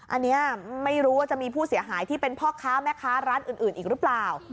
อันนี้ไม่รู้ว่าจะมีผู้เสียหายที่เป็นพ่อค้าแม่ค้าร้านอื่นอีกหรือเปล่า